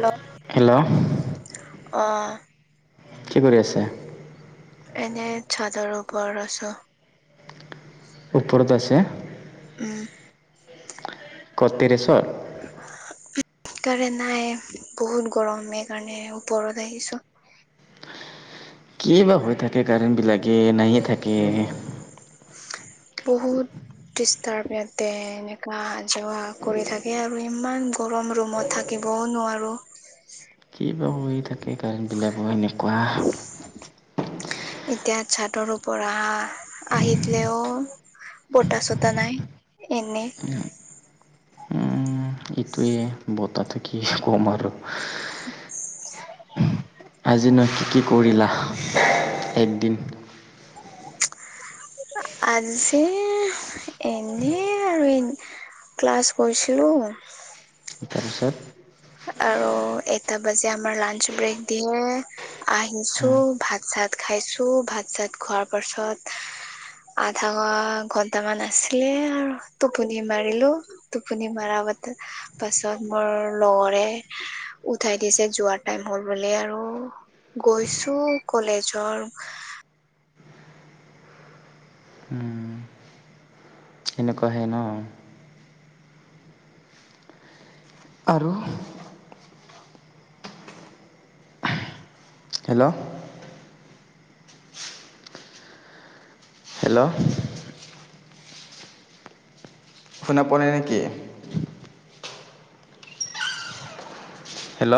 Hello. Hello. অ। কি কৰি আছা? এনেই চাদৰ ওপৰত আছো। ওপৰতৰ আছে। উম। কত টেৰেশ্বৰ? কাৰেণ্ট নাই বহুত গৰম সেই কাৰণে ওপৰত আহিছো। কি বা হৈ থাকে কাৰেণ্টবিলাকে নাহয়ে থাকে। বহুত- ডিষ্টাৰ্ব ইয়াতে এনেকুৱা অহা জোৱা কৰি থাকে আৰু ইমান গৰম ৰুমত- থাকিবও নোৱাৰোঁ। কি বা হৈ থাকে কাৰেণ্টবিলাকো এনেকুৱা। এতিয়া চাদৰ ওপৰৰ পৰা আহি দিলেও- বটা চতা নাই, এনেই। উম এইটোৱে বতাহ থাকি কি ক'ম আৰু। আজি নহ কি কৰিলা একদিন? [unintelligible] আজি এনেই আৰু এনে- ক্লাছ কৰিছিলোঁ। তাৰপিছত? আৰু এটা বাজে আমাৰ লাঞ্চ ব্ৰেক দিয়ে। আহিছো ভাত চাত খাইছো ভাত চাত খোৱাৰ পাছত আধা ঘ ঘন্টামান আছিলে আৰু টোপনি মাৰিলো। টোপনি মৰা বাতা পাছত মোৰ লগৰে উঠাই দিছে যোৱাৰ টাইম হ'ল বুলি আৰু। গৈছো কলেজৰ উম। এনেকুৱা হে ন! আৰু? হেল্ল'। হেল্ল'। শুনা পোৱা নাই নে কি? হেল্ল'।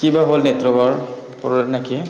কি বা হ'ল নেটৱৰ্কৰ [unintelligible] নেকি!